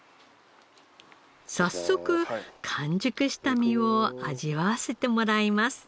早速完熟した実を味わわせてもらいます。